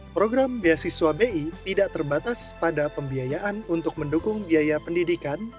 program beasiswa bi tidak terbatas pada pembiayaan untuk mendukung biaya pendidikan